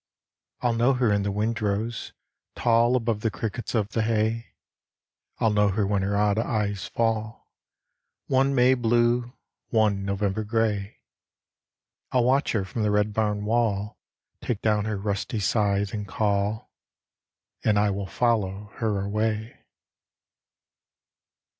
I'll know her in the windrows, tall Above the crickets of the hay. I'll know her when her odd eyes fall. One May blue, one November grey. I'll watch her from the red bam wall Take down her rusty scythe, and call, And I will follow her away.